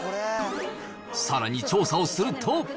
さらに調査をすると。